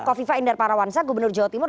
kofi fa indar parawansa gubernur jawa timur